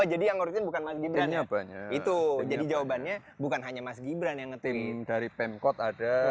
jadi bukan lagi banyak banyak itu jadi jawabannya bukan hanya mas gibran yang ngetik dari pemkot ada